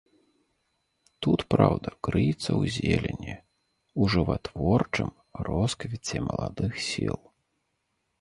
Тут праўда крыецца ў зелені, у жыватворчым росквіце маладых сіл.